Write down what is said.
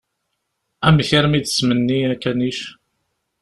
Amek armi i d-tettmenni akanic?